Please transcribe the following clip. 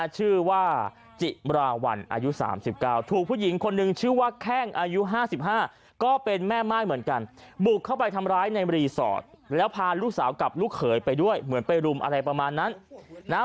ชื่อว่าแข้งอายุ๕๕ก็เป็นแม่ม่ายเหมือนกันบุกเข้าไปทำร้ายในรีสอร์ทแล้วพาลูกสาวกับลูกเขยไปด้วยเหมือนไปรุมอะไรประมาณนั้นนะ